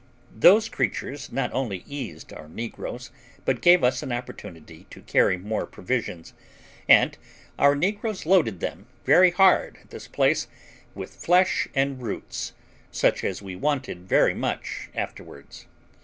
Those creatures not only eased our negroes, but gave us an opportunity to carry more provisions; and our negroes loaded them very hard at this place with flesh and roots, such as we wanted very much afterwards.